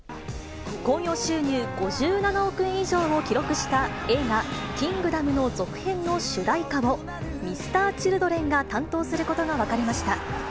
興行収入５７億円以上を記録した映画、キングダムの続編の主題歌を、Ｍｒ．Ｃｈｉｌｄｒｅｎが担当することが分かりました。